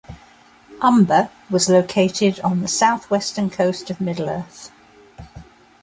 Umbar was located on the south-western coast of Middle-earth.